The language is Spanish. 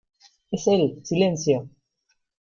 ¡ Es él! ¡ silencio !